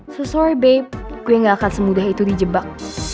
so sorry babe gue gak akan semudah itu di jebak